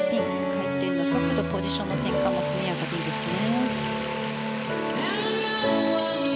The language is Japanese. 回転の速度、ポジションの転換も速やかでいいですね。